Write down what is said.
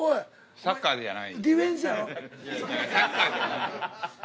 サッカーじゃない。